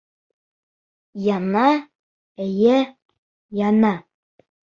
Яна, эйе, яна.